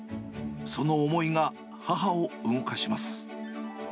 その思いが母を動かします。